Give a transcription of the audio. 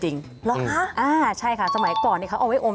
เหรอคะอ่าใช่ค่ะสมัยก่อนเขาเอาไว้อม